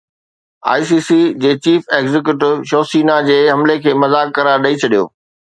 I C C جي chief executive Shiv Sena جي حملي کي مذاق قرار ڏئي ڇڏيو